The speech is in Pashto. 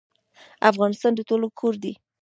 افغانستان د ټولو کور دی